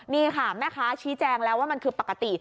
นี่ค่ะแม่ค้าชี้แจงแล้วว่ามันคือปกติ